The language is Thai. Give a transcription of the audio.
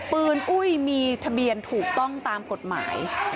อุ้ยมีทะเบียนถูกต้องตามกฎหมาย